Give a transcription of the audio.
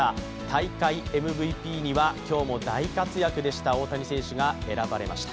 大会ＭＶＰには今日も大活躍でした大谷選手が選ばれました。